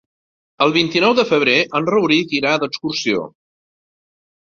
El vint-i-nou de febrer en Rauric irà d'excursió.